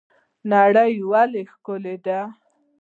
نړۍ ولې ښکلې ده؟